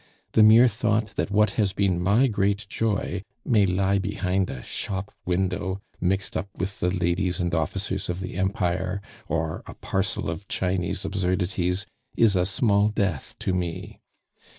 The mere thought that what has been my great joy may lie behind a shop window, mixed up with the ladies and officers of the Empire, or a parcel of Chinese absurdities, is a small death to me.